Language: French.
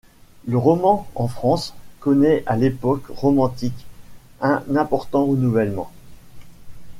Le roman en France connaît à l'époque romantique un important renouvellement.